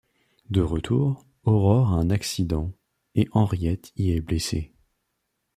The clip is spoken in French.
De retour, Aurore a un accident et Henriette y est blessée.